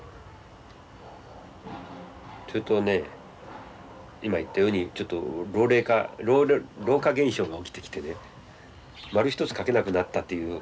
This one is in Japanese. それとね今言ったようにちょっと老化現象が起きてきてね円一つ描けなくなったという。